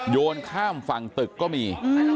โยนข้ามฝั่งตึกก็มี